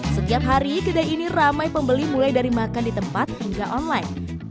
setiap hari kedai ini ramai pembeli mulai dari makan di tempat hingga online